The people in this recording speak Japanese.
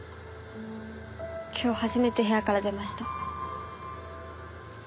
今日初めて部屋から出ました。